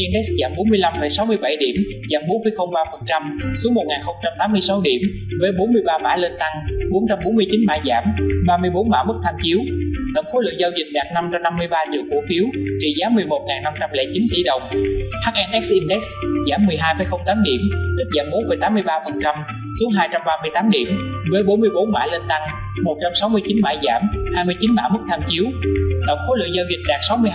động khối lựa giao dịch đạt sáu mươi hai triệu cổ phiếu trị giá một một trăm bốn mươi một tỷ đồng